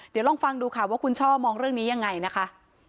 เดี๋ยวลองฟังดูค่ะว่าคุณช่อมองเรื่องนี้ยังไงนะคะ